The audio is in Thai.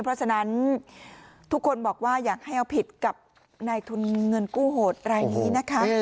เพราะฉะนั้นทุกคนบอกว่าอยากให้เอาผิดกับนายทุนเงินกู้โหดรายนี้นะคะ